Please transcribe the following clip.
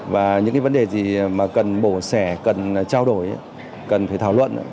và những vấn đề gì mà cần bổ sẻ cần trao đổi cần phải thảo luận